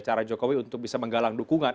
cara jokowi untuk bisa menggalang dukungan